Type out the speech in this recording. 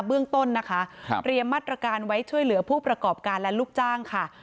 เบื้องต้นนะคะเตรียมมาตรการไว้ช่วยเหลือผู้ประกอบการและลูกจ้างค่ะ